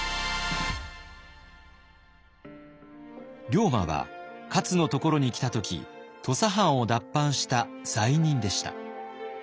龍馬は勝のところに来た時土佐藩を脱藩した罪人でした。